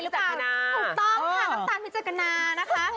ถูกต้องค่ะน้ำตาลพิจารณานะคะ